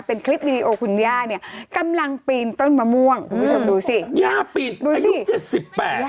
เป็นคลิปวีดีโอคุณย่าเนี่ยกำลังปีนต้นมะม่วงคุณผู้ชมดูสิย่าปีนด้วยอายุเจ็ดสิบแปด